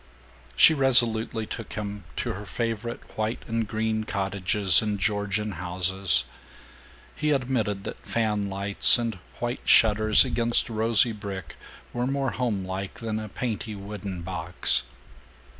She resolutely took him to her favorite white and green cottages and Georgian houses. He admitted that fanlights, and white shutters against rosy brick, were more homelike than a painty wooden box.